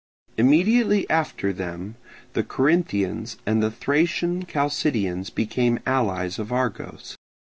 Immediately after them the Corinthians and the Thracian Chalcidians became allies of Argos.